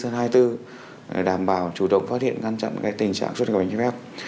để đảm bảo chủ động phát hiện ngăn chặn tình trạng xuất nhập cảnh trái phép